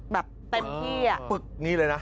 แบบเต็มที่อะ